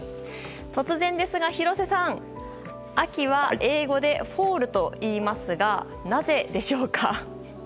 突然ですが、廣瀬さん秋は英語でフォールと言いますがなぜでしょうか？